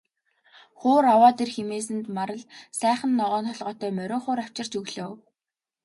Хуур аваад ир хэмээсэнд Марал сайхан ногоон толгойтой морин хуур авчирч өглөө.